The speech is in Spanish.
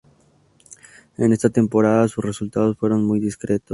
En esta temporada sus resultados fueron muy discretos.